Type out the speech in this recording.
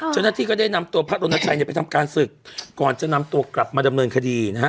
เจ้าหน้าที่ก็ได้นำตัวพระรณชัยเนี่ยไปทำการศึกก่อนจะนำตัวกลับมาดำเนินคดีนะฮะ